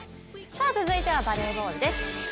続いてはバレーボールです。